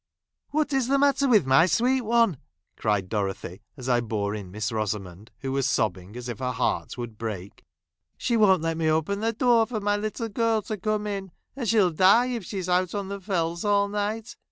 " What is the matter with my sweet one ?" cried Dorothy, as I bore in Miss Eosamond, who was sobbing as if her heart would break. " She won't let me open the door for my little girl to come in ; and she'll die if she' is out on the Fells all night.